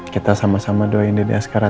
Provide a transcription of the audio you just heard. kita sama sama doain dede askara